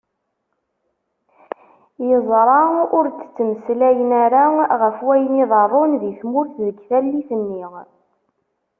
Yezṛa ur d-ttmeslayen ara γef wayen iḍeṛṛun di tmurt deg tallit nni.